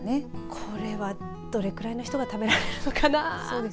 これはどれくらいの人が食べられるのかな。